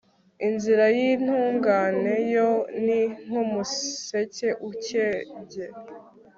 inzira y'intungane yo, ni nk'umuseke ukebye